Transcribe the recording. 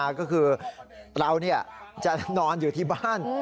ก็คือเราจะนอนอยู่ที่บ้าน